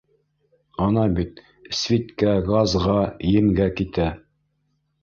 Анна бит, свиткә, газға, емгә китә.